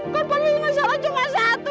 korban ini masalah cuma satu